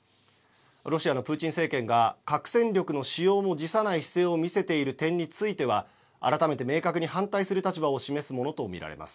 ロシアのプーチン政権が核戦力の使用も辞さない姿勢を見せている点については改めて明確に反対する立場を示すものと見られます。